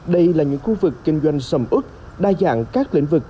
đây là những khu vực kinh doanh sầm ức